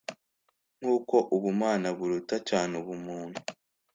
Nk'uko ubumana buruta cyane ubumuntu,